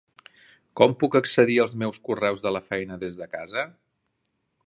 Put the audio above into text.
Com puc accedir als meus correus de la feina des de casa?